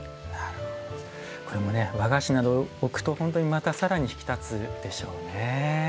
これもね和菓子などを置くと本当にまた更に引き立つでしょうね。